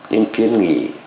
những kiến nghị